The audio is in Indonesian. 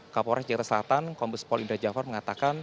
kapolres jakarta selatan kompes pol indra jafar mengatakan